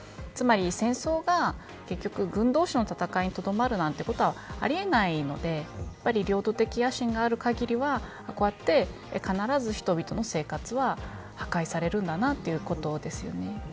つまり、戦争が結局、軍同士の戦いにとどまるなんてことはありえないのでやはり領土的野心がある限りはこうやって必ず人々の生活は破壊されるんだなということですよね。